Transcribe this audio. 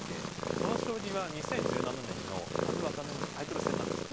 この将棋は２０１７年の羽生渡辺のタイトル戦なんですよ。